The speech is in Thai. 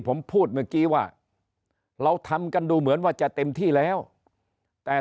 ผมพูดเมื่อกี้ว่าเราทำกันดูเหมือนว่าจะเต็มที่แล้วแต่